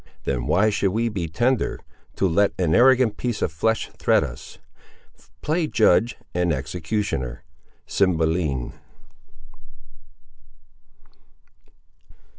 Then why should we be tender To let an arrogant piece of flesh threat us! Play judge and executioner. —Cymbeline.